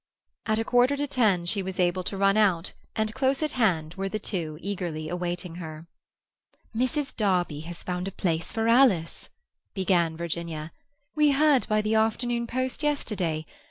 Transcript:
At a quarter to ten she was able to run out, and close at hand were the two eagerly awaiting her. "Mrs. Darby has found a place for Alice," began Virginia. "We heard by the afternoon post yesterday.